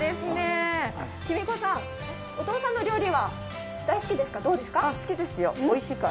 公子さん、お父さんの料理は大好きですか？